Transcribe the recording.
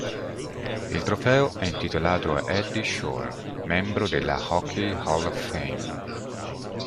Il trofeo è intitolato a Eddie Shore, membro della Hockey Hall of Fame.